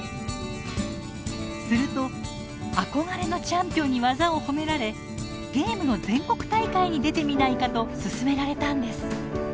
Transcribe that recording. すると憧れのチャンピオンに技を褒められ「ゲームの全国大会に出てみないか」と勧められたんです。